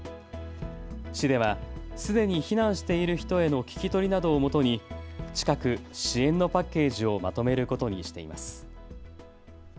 市ではすでに避難している人への聞き取りなどをもとに近く支援のパッケージをまとめることにしています。